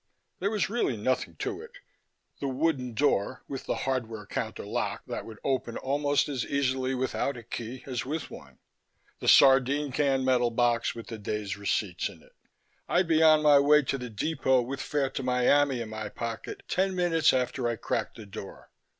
There was really nothing to it. The wooden door with the hardware counter lock that would open almost as easily without a key as with one; the sardine can metal box with the day's receipts in it. I'd be on my way to the depot with fare to Miami in my pocket ten minutes after I cracked the door.